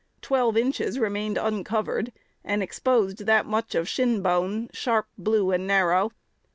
Twelve inches remained uncovered, and exposed that much of "shinbone, sharp, blue, and narrow."